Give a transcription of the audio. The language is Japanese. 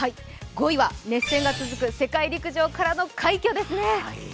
５位は熱戦が続く世界陸上からの快挙ですね。